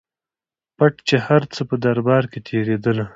پټ چي هر څه په دربار کي تېرېدله